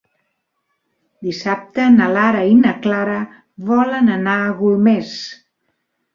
Dissabte na Lara i na Clara volen anar a Golmés.